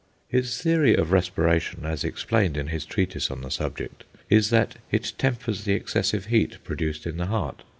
His theory of respiration, as explained in his treatise on the subject, is that it tempers the excessive heat produced in the heart.